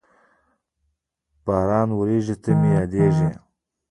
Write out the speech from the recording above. باران ورېږي، ته مې یادېږې